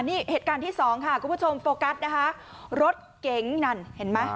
นี่เหตุการณ์ที่สองค่ะคุณผู้ชมโฟกัสนะคะรถเก๋งนั่นเห็นไหม